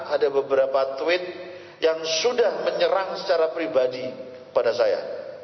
ada beberapa tweet yang sudah menyerang secara pribadi pada saya